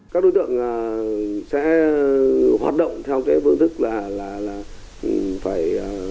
các đối tượng sẽ hoạt động theo cái phương thức là phải